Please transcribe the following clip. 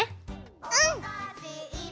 うん！